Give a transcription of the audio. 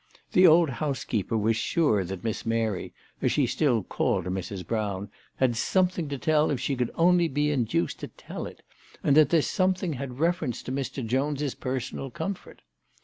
The old housekeeper was sure that Miss Mary, as she still called Mrs. Brown, had something to tell if she could only be induced to tell it, and that this something had reference to Mr. Jones' personal comfort.